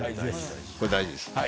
これ大事ですね。